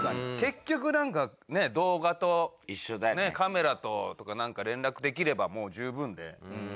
結局なんかね動画とカメラとなんか連絡できればもう十分で。